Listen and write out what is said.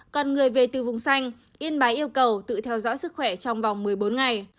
còn người về từ vùng xanh yên bái yêu cầu tự theo dõi sức khỏe trong vòng một mươi bốn ngày